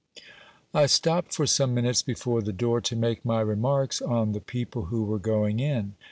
I stopped for some minutes before the door, to make my remarks on the peo ple who were going in.